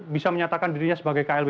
bisa menyatakan dirinya sebagai klb